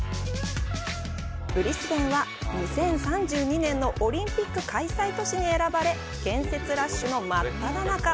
ブリスベンは、２０３２年のオリンピック開催都市に選ばれ建設ラッシュの真っただ中。